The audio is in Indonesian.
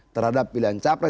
terhadap pilihan capres